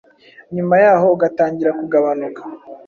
nyuma yaho ugatangira kugabanuka